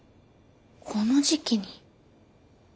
この時期に？